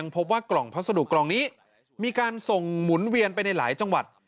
พัสดุกล่องนี้มีการส่งหมุนเวียนไปในหลายจังหวัด